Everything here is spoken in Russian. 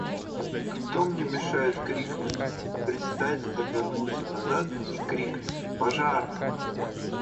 Кто мне мешает крикнуть, — привстать, обернуться назад и крикнуть: — Пожар!